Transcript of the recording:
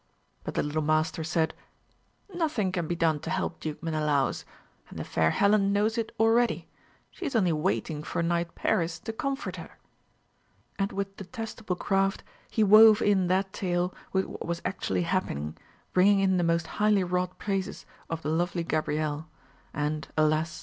But the little Master said, "Nothing can be done to help Duke Menelaus; and the fair Helen knows it already. She is only waiting for knight Paris to comfort her." And with detestable craft he wove in that tale with what was actually happening, bringing in the most highly wrought praises of the lovely Gabrielle; and alas!